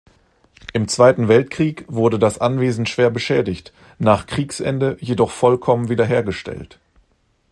Im Zweiten Weltkrieg wurde das Anwesen schwer beschädigt, nach Kriegsende jedoch vollkommen wiederhergestellt.